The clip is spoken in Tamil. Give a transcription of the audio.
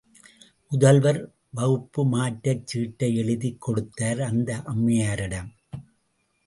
முதல்வர், வகுப்பு மாற்றச் சீட்டை எழுதிக் கொடுத்தார், அந்த அம்மையாரிடம்.